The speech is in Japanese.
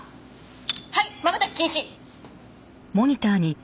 はいまばたき禁止！